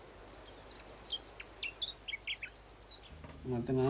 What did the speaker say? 待ってな。